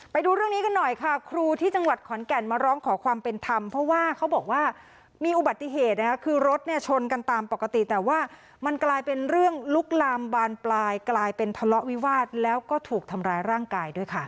ไปดูเรื่องนี้กันหน่อยค่ะครูที่จังหวัดขอนแก่นมาร้องขอความเป็นธรรมเพราะว่าเขาบอกว่ามีอุบัติเหตุนะคะคือรถเนี่ยชนกันตามปกติแต่ว่ามันกลายเป็นเรื่องลุกลามบานปลายกลายเป็นทะเลาะวิวาสแล้วก็ถูกทำร้ายร่างกายด้วยค่ะ